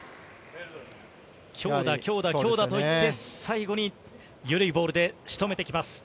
強打、強打、強打といって、最後に緩いボールで仕留めてきます。